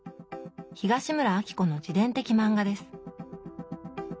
東村アキコの自伝的漫画です。